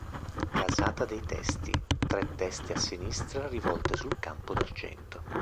Casata dei Testi: "Tre teste a sinistra rivolte sul campo d'argento.